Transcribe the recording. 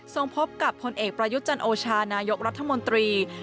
พบกับพลเอกประยุทธ์จันโอชานายกรัฐมนตรี